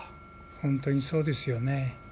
本当にそうですよね。